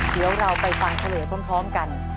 เดี๋ยวเราไปฟังเฉลยพร้อมกัน